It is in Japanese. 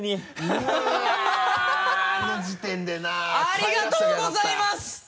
ありがとうございます！